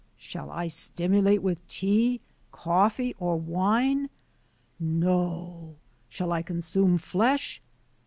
Shall I stimulate with tea, coffee, or wine? No. Shall I consume flesh?